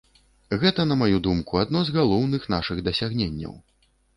Гэта, на маю думку, адно з галоўных нашых дасягненняў.